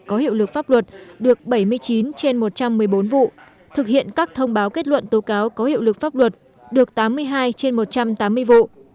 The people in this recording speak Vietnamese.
có hiệu lực pháp luật được bảy mươi chín trên một trăm một mươi bốn vụ thực hiện các thông báo kết luận tố cáo có hiệu lực pháp luật được tám mươi hai trên một trăm tám mươi vụ